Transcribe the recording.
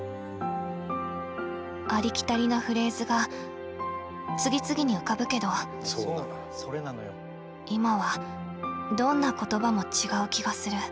ありきたりなフレーズが次々に浮かぶけど今はどんな言葉も違う気がする。